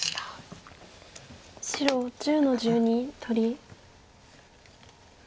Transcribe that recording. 白１０の十二取り。